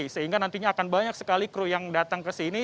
sehingga nantinya akan banyak sekali kru yang datang ke sini